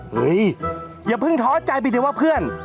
เฮ้ยอย่าเพิ่งท้อใจไปเลยว่าเพื่อน